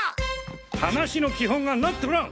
話の基本がなっとらん！